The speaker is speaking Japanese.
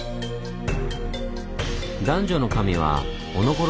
男女の神はおのころ